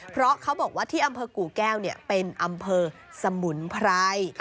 เพราะเขาบอกว่าที่อำเภอกู่แก้วเป็นอำเภอสมุนไพร